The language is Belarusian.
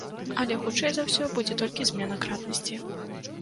Але, хутчэй за ўсё, будзе толькі змена кратнасці.